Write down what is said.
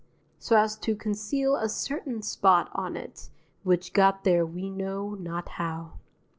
so as to conceal a certain spot on it which got there we know not how.